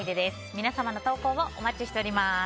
皆様の投稿をお待ちしております。